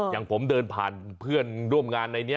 อย่างผมเดินผ่านเพื่อนร่วมงานในนี้